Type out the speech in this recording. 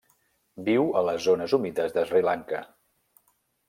Viu a les zones humides de Sri Lanka.